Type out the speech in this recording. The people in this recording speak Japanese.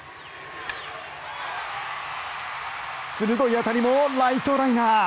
鋭い当たりもライトライナー。